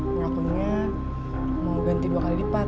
pelakunya mau ganti dua kali lipat